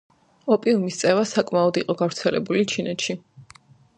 ოპიუმის წევა საკმაოდ იყო გავცელებული ჩინეთში.